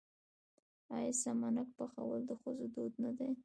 آیا سمنک پخول د ښځو دود نه دی؟